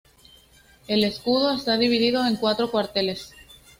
El escudo está dividido en cuatro cuarteles.